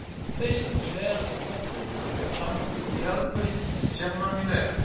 Eugène Muller est l'oncle de l'auteur dramatique et homme politique Germain Muller.